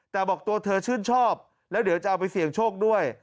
แต่บอกตัวเธอชื่นชอบแล้วเดี๋ยวจะเอาไปเสี่ยงโชคด้วย